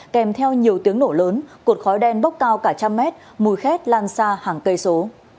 kèm theo nhiều tiếng nổ lớn cột khói đen bốc cao cả trăm mét mùi khét lan xa hàng cây số